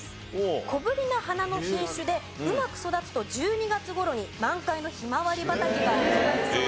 小ぶりな花の品種でうまく育つと１２月頃に満開のヒマワリ畑が見られるそうです。